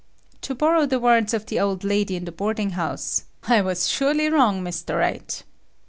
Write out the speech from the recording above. To borrow the words of the old lady in the boarding house, I was surely wrong Mr. Wright.